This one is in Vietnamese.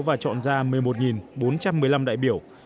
và chọn ra một mươi một bốn trăm một mươi năm đại biểu